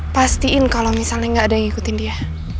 pastiin kalau misalnya gak ada yang ngikutin dia